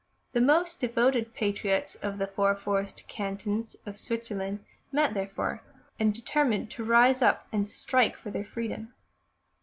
The most devoted patriots of the four forest cantons of Switzerland met, therefore, and determined to rise up and strike for their freedom.